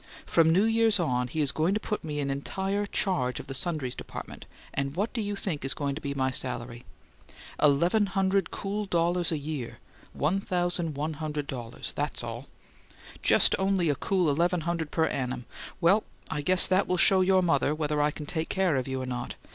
From New Years on he is going to put me in entire charge of the sundries dept. and what do you think is going to be my salary? Eleven hundred cool dollars a year ($1,100.00). That's all! Just only a cool eleven hundred per annum! Well, I guess that will show your mother whether I can take care of you or not.